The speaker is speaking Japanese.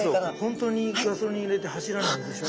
本当にガソリン入れて走らないでしょ。